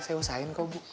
saya usahain kok bu